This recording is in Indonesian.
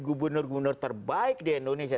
gubernur gubernur terbaik di indonesia